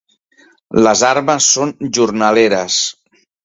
Les armes són jornaleres.